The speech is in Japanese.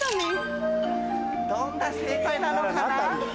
どんな生態なのかな？